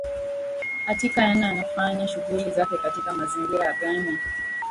atika yana yanafanya shughuli zake katika mazingira gani